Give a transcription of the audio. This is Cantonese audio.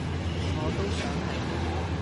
我都想係